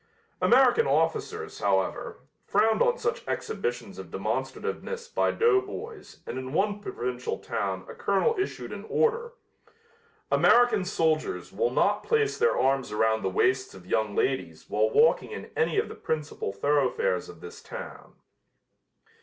American officers, however, frowned on such exhibitions of demonstrativeness by doughboys and in one provincial town a colonel issued an order: "American soldiers will not place their arms around the waists of young ladies while walking in any of the principal thoroughfares of this town."